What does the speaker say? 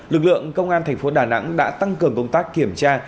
lực lượng công an thành phố đà nẵng đã tăng cường công tác kiểm tra